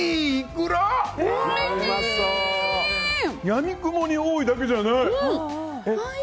やみくもに多いだけじゃない！